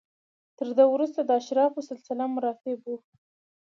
تر ده وروسته د اشرافو سلسله مراتب و